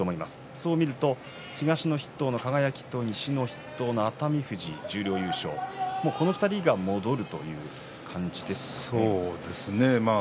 そう見ると東の筆頭の輝と西の筆頭の熱海富士、十両優勝、この２人がそうですね。